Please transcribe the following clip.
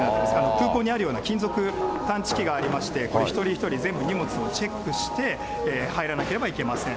空港にあるような金属探知機がありまして、一人一人全部荷物をチェックして、入らなければいけません。